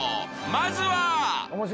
［まずは］